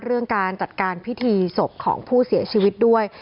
เรื่องการจัดการพิธีศพของผู้เสียชีวิตด้วย